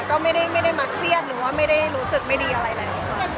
ก็ไม่ได้มาเครียดหรือว่าไม่ได้รู้สึกไม่ดีอะไรแล้ว